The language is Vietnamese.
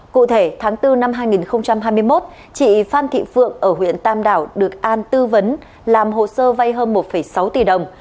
cụ thể tháng bốn năm hai nghìn hai mươi một chị phan thị phượng ở huyện tam đảo được an tư vấn làm hồ sơ vay hơn một sáu tỷ đồng